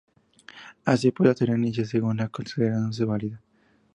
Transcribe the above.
Así pues la teoría inicial seguía considerándose válida.